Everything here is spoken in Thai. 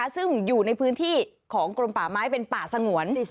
ซึ่งอยู่ในพื้นที่ของกรมป่าไม้เป็นป่าสงวน